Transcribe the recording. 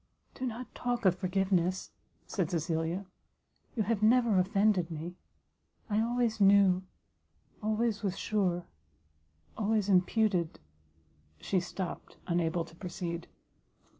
"Do not talk of forgiveness," said Cecilia, "you have never offended me; I always knew always was sure always imputed " she stopt, unable to proceed.